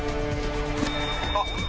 あっ！